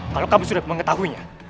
kalau kamu sudah mengetahuinya